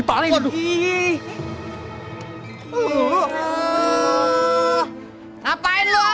mak harus bawa